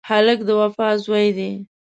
هلک د وفا زوی دی.